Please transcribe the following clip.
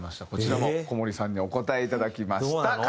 こちらも小森さんにお答えいただきました。